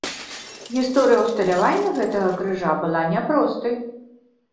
Гісторыя ўсталявання гэтага крыжа была няпростай.